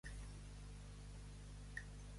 En pitjors garites hauràs fet sentinella.